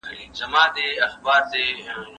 دوی غواړي چي بې وزلي خلګ په کارونو بوخت وساتي.